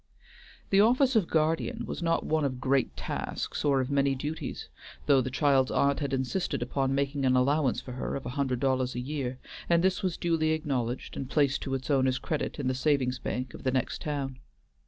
The office of guardian was not one of great tasks or of many duties, though the child's aunt had insisted upon making an allowance for her of a hundred dollars a year, and this was duly acknowledged and placed to its owner's credit in the savings bank of the next town.